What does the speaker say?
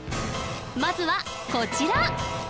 まずはこちら！